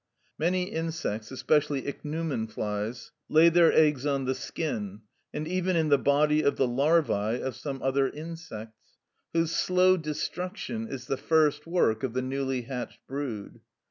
Many insects (especially ichneumon flies) lay their eggs on the skin, and even in the body of the larvæ of other insects, whose slow destruction is the first work of the newly hatched brood.